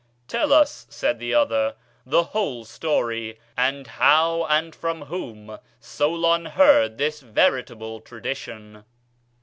"Tell us," said the other, "the whole story, and how and from whom Solon heard this veritable tradition."